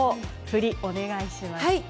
お願いします。